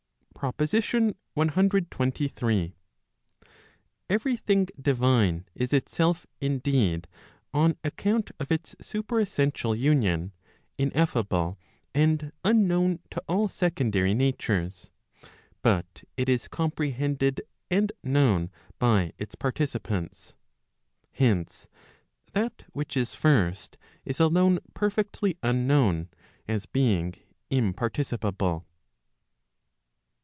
PROPOSITION CXXIII. Every thing divine is itself indeed, on account of its superessential union, ineffable and unknown to all secondary natures; but it is com¬ prehended and known by its participants. Hence, that which is Jirst, is alone perfectly unknown, as being imparticipable.